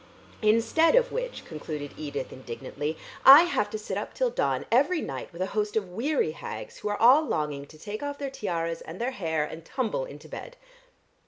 Instead of which," concluded Edith indignantly, "I have to sit up till dawn every night with a host of weary hags, who are all longing to take off their tiaras and their hair, and tumble into bed."